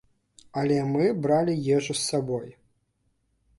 Але мы бралі ежу з сабой.